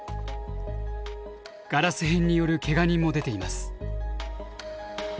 ガラス片によるけが人も出ています。